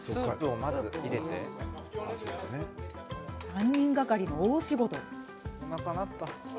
３人がかりの大仕事。